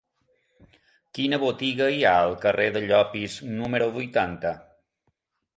Quina botiga hi ha al carrer de Llopis número vuitanta?